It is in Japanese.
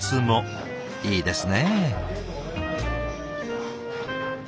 いいですね。